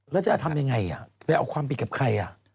ว่าจะเอาทท่ามยังไงไปเอาความผิดกับใคร